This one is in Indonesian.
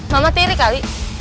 mama tirik awi